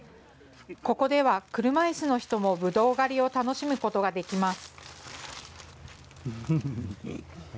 ここでは車いすの人もぶどう狩りを楽しむことができます。